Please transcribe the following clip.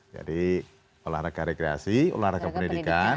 olahraga rekreasi olahraga pendidikan